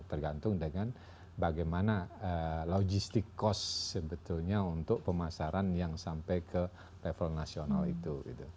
tergantung dengan bagaimana logistik cost sebetulnya untuk pemasaran yang sampai ke level nasional itu